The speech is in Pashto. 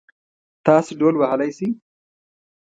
تاسو ډهول وهلی شئ؟